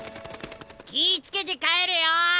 気ぃ付けて帰れよ！